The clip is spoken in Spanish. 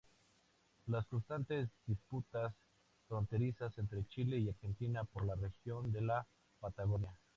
Las constantes disputas fronterizas entre Chile y Argentina por la región de la Patagonia.